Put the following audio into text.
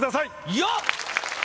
よっ！